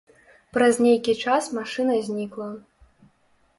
Праз нейкі час машына знікла.